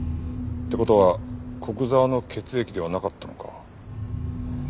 って事は古久沢の血液ではなかったのか。